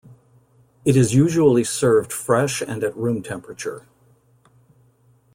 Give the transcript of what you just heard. It is usually served fresh and at room temperature.